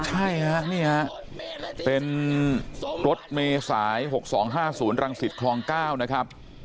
ใช่ฮะนี่ฮะเป็นรถเมษาย๖๒๕๐รังสิตคลอง๙นะครับ